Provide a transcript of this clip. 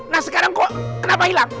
nah sekarang kok kenapa hilang